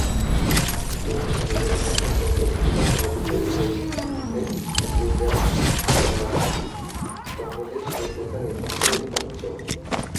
যদি ভেবে থাক, কতকগুলি শব্দই হচ্ছে পূজা, তাহলে সে পূজা নিতান্তই বাহ্য।